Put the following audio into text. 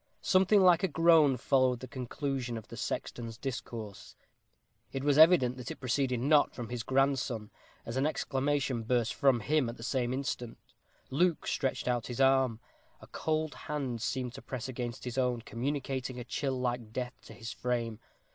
Something like a groan followed the conclusion of the sexton's discourse. It was evident that it proceeded not from his grandson, as an exclamation burst from him at the same instant. Luke stretched out his arm. A cold hand seemed to press against his own, communicating a chill like death to his frame.